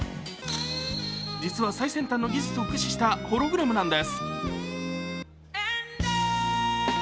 実は、最先端の技術を駆使したホログラムなんです。